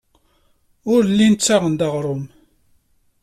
Ur llin ssaɣen-d aɣrum.